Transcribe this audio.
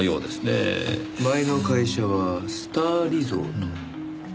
前の会社はスターリゾート。